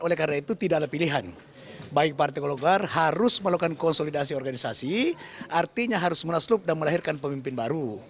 oleh karena itu tidak ada pilihan baik partai golkar harus melakukan konsolidasi organisasi artinya harus munaslup dan melahirkan pemimpin baru